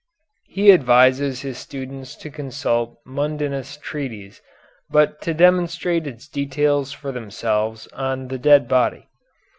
He advises his students to consult Mundinus' treatise but to demonstrate its details for themselves on the dead body.